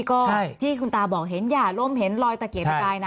ก็ใช่ที่ทุนตาบอกเห็นหย่าลมเห็นลอยตะเกกด้วยมาไปนะ